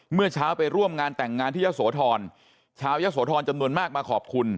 เมื่อเช้าไปร่วมงานแต่งงานที่ยะโสธรชาวยะโสธรจำนวนมากมาขอบคุณ